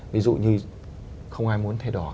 ví dụ như không ai muốn thay đỏ